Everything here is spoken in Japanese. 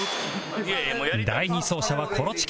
第２走者はコロチキ